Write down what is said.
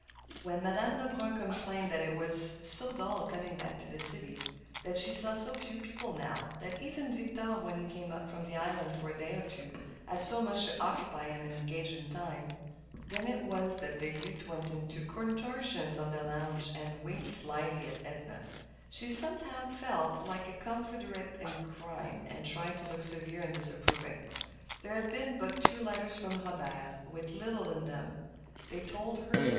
When Madame Lebrun complained that it was so dull coming back to the city; that she saw so few people now; that even Victor, when he came up from the island for a day or two, had so much to occupy him and engage his time; then it was that the youth went into contortions on the lounge and winked mischievously at Edna. She somehow felt like a confederate in crime, and tried to look severe and disapproving. There had been but two letters from Robert, with little in them, they told her.